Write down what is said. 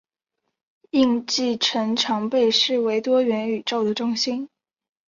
印记城常被视为多元宇宙的中心。